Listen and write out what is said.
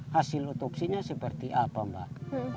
hasil otopsinya seperti apa mbak